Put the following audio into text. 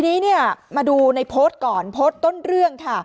ทีนี้มาดูโพสต์ก่อนโพสต์ต้นเรื่อง